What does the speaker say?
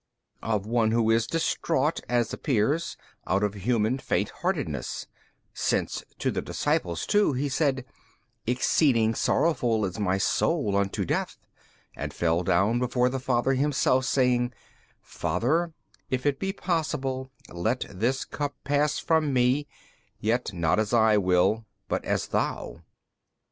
B. Of one who is distraught (as appears) out of human faint heartedness: since to the disciples too He said, Exceeding sorrowful is My Soul unto death, and fell down before the Father Himself saying, Father, if it be possible, let this Cup pass from Me, yet not as I will but as THOU.